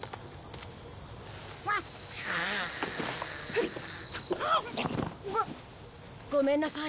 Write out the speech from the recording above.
フッ！ごめんなさい。